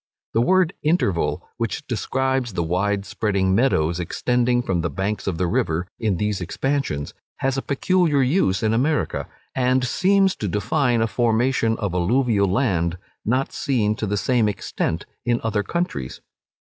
The word interval, which describes the wide spreading meadows extending from the banks of the river in these expansions, has a peculiar use in America, and seems to define a formation of alluvial land not seen to the same extent in other countries.